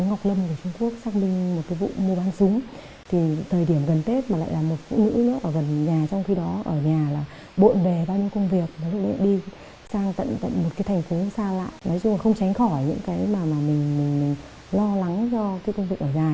nói chung là không tránh khỏi những cái mà mình lo lắng do cái công việc ở dài